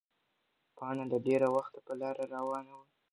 پاڼه له ډېره وخته په لاره روانه وه.